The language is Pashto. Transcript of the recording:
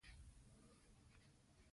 اداره د خلکو د حقونو درناوی تضمینوي.